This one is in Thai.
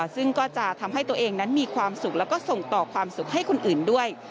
ซึ่งก็จะทำให้ตัวเองนั้นมีความสุขแล้วก็ส่งต่อความสุขให้คนอื่นด้วย